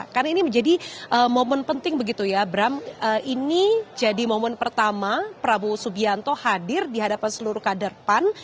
karena ini menjadi momen penting begitu ya bram ini jadi momen pertama prabowo subianto hadir di hadapan seluruh kader pan